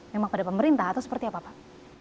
memang pada pemerintah atau seperti apa pak